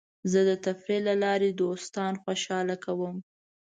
زه د تفریح له لارې دوستان خوشحاله کوم.